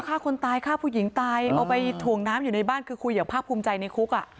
ฆ่าคนตายฆ่าผู้หญิงตายเอาไปถ่วงน้ำอยู่ในบ้านคือคุยอย่างภาคภูมิใจในคุกอ่ะ